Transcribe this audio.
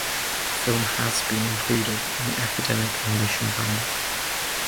The film has been included in the academic on nation branding.